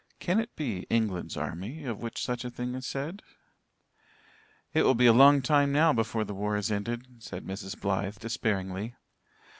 "Can it be England's army of which such a thing is said?" "It will be a long time now before the war is ended," said Mrs. Blythe despairingly.